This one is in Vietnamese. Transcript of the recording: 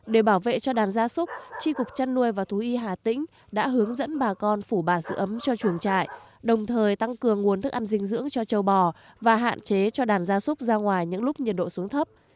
để bảo vệ cho đàn gia súc tri cục chăn nuôi và thú y hà tĩnh đã hướng dẫn bà con phủ bạ giữ ấm cho chuồng trại đồng thời tăng cường nguồn thức ăn dinh dưỡng cho châu bò và hạn chế cho đàn gia súc ra ngoài những lúc nhiệt độ xuống thấp